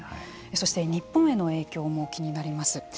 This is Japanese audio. そして日本への影響も気になります。